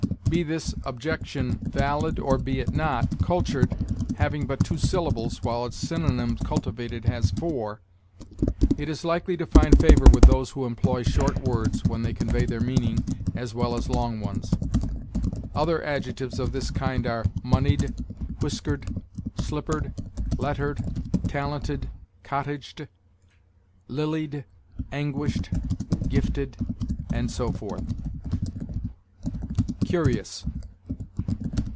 Be this objection valid or be it not, cultured having but two syllables, while its synonym cultivated has four, it is likely to find favor with those who employ short words when they convey their meaning as well as long ones. Other adjectives of this kind are, moneyed, whiskered, slippered, lettered, talented, cottaged, lilied, anguished, gifted, and so forth. CURIOUS.